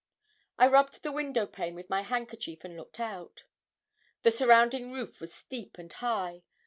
I rubbed the window pane with my handkerchief and looked out. The surrounding roof was steep and high.